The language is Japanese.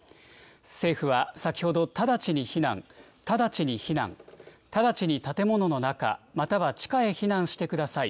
政府は先ほど、直ちに避難、直ちに避難、直ちに建物の中、または地下へ避難してください。